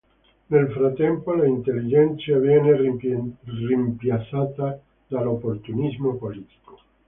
Nel frattempo l'intellighenzia viene rimpiazzata dall'opportunismo politico.